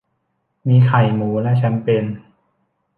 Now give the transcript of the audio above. มีไข่ หมู และแชมเปญ